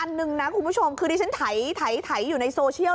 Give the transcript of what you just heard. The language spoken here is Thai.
หนึ่งนะคุณผู้ชมคือที่ฉันไถอยู่ในโซเชียล